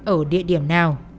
ở địa điểm nào